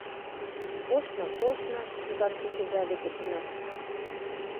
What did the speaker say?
Коштна-коштна — Йыван кугыза деке туна.